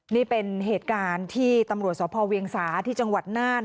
นี่เป็นเหตุการณ์ที่ตำรวจสพเวียงสาที่จังหวัดน่าน